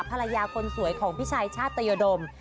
ภรรยาคนสวยของพี่ชายชาติตยดม